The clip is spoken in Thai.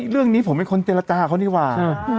เรื่องนี้ผมเป็นคนเจรจาเขาดีกว่า